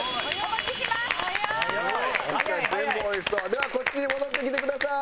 ではこっちに戻って来てください。